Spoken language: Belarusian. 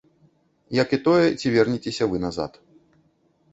Як і тое, ці вернецеся вы назад.